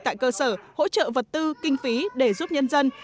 tại cơ sở hỗ trợ vật tư kinh phí để giúp nhân dân